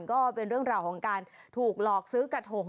ก็เป็นเรื่องราวของการถูกหลอกซื้อกระทง